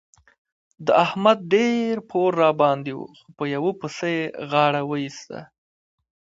د احمد ډېر پور راباندې وو خو په یوه پسه يې غاړه وېسته.